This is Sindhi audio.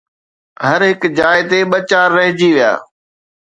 هر هڪ جاءِ تي ٻه چار رهجي ويا